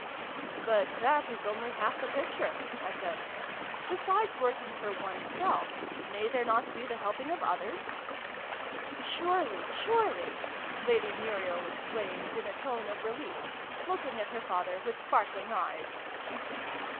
" But that is only half the picture," I said. " Besides working for oneself, may there not be the helping of others ?"" Surely, surely !" Lady Muriel exclaimed in a tone of relief, looking at her father with sparkling eyes.